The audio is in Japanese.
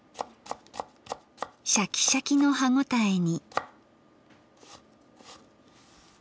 シャキシャキの歯応えに。